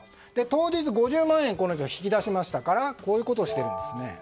当日５０万円引き出しましたからこういうことをしているんです。